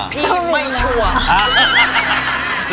พี่ไม่ชัวร์